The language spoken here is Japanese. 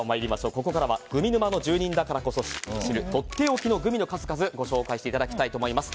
ここからはグミ沼の住人だからこそ知るとっておきのグミの数々をご紹介していただきたいと思います。